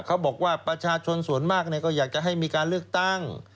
เขาบอกว่าประชาชนส่วนมากก็อยากจะให้มีการเลือกตั้ง